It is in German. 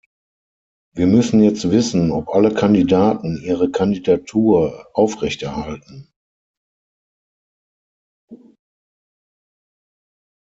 Wir müssen jetzt wissen, ob alle Kandidaten ihre Kandidatur aufrechterhalten.